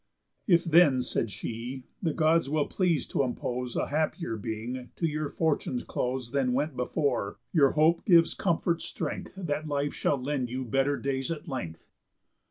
"If then," said she, "the Gods will please t' impose A happier being to your fortune's close Than went before, your hope gives comfort strength That life shall lend you better days at length."